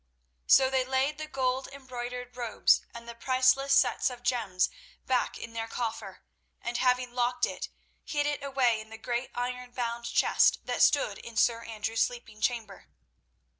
So they laid the gold embroidered robes and the priceless sets of gems back in their coffer, and having locked it, hid it away in the great iron bound chest that stood in Sir Andrew's sleeping chamber.